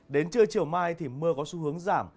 đến trưa chiều mai thì mưa có xu hướng giảm